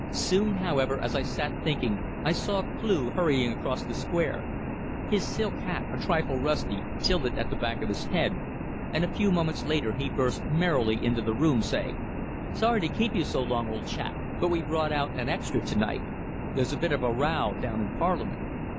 Soon, however, as I sat thinking, I saw Cleugh hurrying across the square, his silk hat, a trifle rusty, tilted at the back of his head, and a few moments later he burst merrily into the room, saying "Sorry to keep you so long, old chap, but we brought out an extra to night. There's a bit of a row down in Parliament."